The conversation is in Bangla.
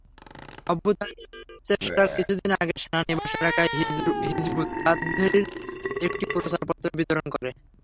অভ্যুত্থানচেষ্টার কিছুদিন আগে সেনানিবাস এলাকায় হিযবুত তাহ্রীর একটি প্রচারপত্র বিতরণ করে।